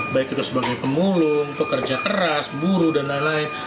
baik itu sebagai pemulung pekerja keras buru dan lain lain